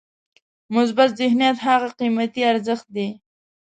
مثبت ذهنیت هغه قیمتي ارزښت دی.